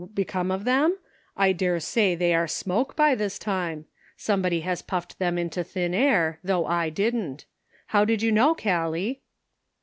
Become of them? I dare say they are smoke by this time ; somebody has puffed them into thin air, though I didn't. How did you know, Gallic